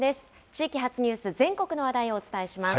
地域発ニュース、全国の話題をお伝えします。